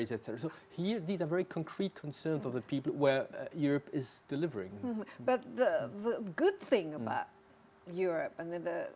jadi ini adalah pertanyaan yang sangat konkret untuk orang orang di mana eropa sedang mengembangkan